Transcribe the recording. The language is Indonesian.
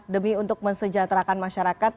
demi untuk mensejahterakan masyarakat